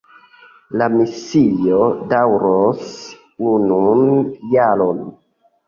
La misio daŭros unun jaron.